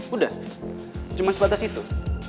udah cuma sebatas itu